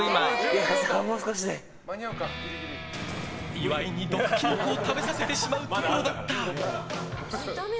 岩井に毒キノコを食べさせてしまうところだった。